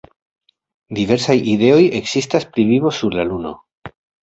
Diversaj ideoj ekzistas pri vivo sur la Luno.